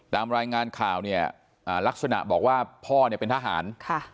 ตามรายงานข่าวเนี่ยลักษณะบอกว่าพ่อเนี่ยเป็นทหาร